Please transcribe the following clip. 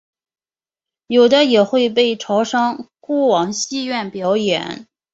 有的也会被潮商雇往戏园表演。